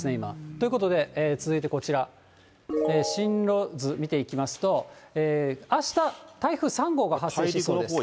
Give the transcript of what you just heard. ということで、続いてこちら、進路図見ていきますと、あした、台風３号が発生しそうです。